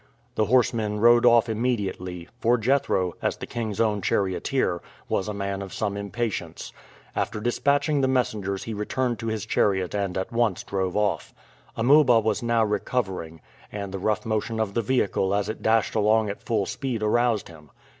The horsemen rode off immediately, for Jethro, as the king's own charioteer, was a man of some impatience. After dispatching the messengers he returned to his chariot and at once drove off. Amuba was now recovering, and the rough motion of the vehicle as it dashed along at full speed aroused him.